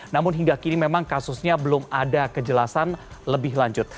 namun hingga kini memang kasusnya belum ada kejelasan lebih lanjut